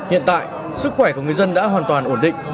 hiện tại sức khỏe của người dân đã hoàn toàn ổn định